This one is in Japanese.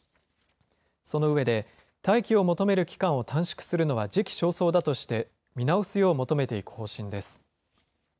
その上で、待機を求める期間を短縮するのは時期尚早だとして、見直すよう求めていく方針です。